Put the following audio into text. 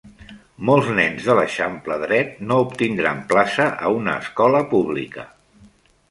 Molts nens de l'Eixample dret no obtindran plaça a una escola pública.